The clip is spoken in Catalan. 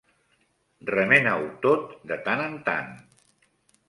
Remena-ho tot, de tant en tant.